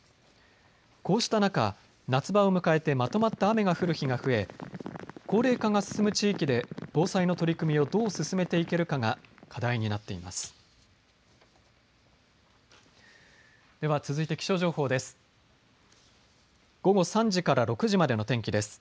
こうした中、夏場を迎えてまとまった雨が降る日が増え高齢化が進む地域で防災の取り組みをどう進めていけるかが課題になっています。